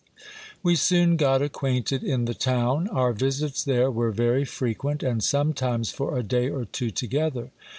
We soon got acquainted in the town. Our visits there were very frequent ; and sometimes for a day or two together.